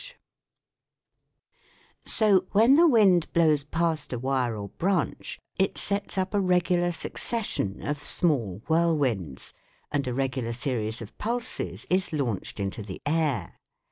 SOUNDS OF THE COUNTRY 109 So, when the wind blows past a wire or branch, it sets up a regular succession of small whirl winds, and a regular series of pulses is launched into the air.